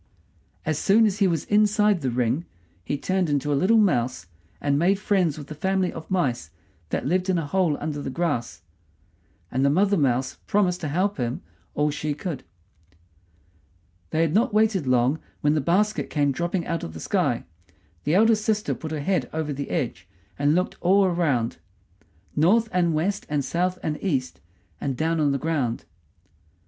As soon as he was inside the ring he turned into a little mouse, and made friends with the family of mice that lived in a hole under the grass; and the mother mouse promised to help him all she could. They had not waited long when the basket came dropping down out of the sky. The eldest sister put her head over the edge, and looked all around, north and west and south and east and down on the ground.